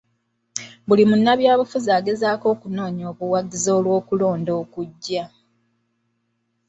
Buli munnabyabufuzi agezaako okunoonya obuwagizi olw'okulonda okujja.